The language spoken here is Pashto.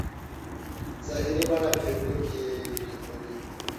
ظاهري بڼه پیرودونکی جذبوي.